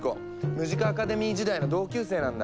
ムジカ・アカデミー時代の同級生なんだ。